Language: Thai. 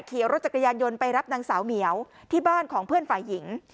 ขี่รถจักรยานยนต์ไปรับนางสาวเหมียวที่บ้านของเพื่อนฝ่ายหญิง